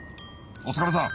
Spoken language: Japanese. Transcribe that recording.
お疲れさん！